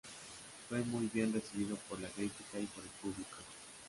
Fue muy bien recibido por la crítica y por el público.